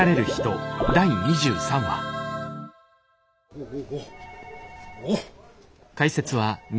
おおおっおっ。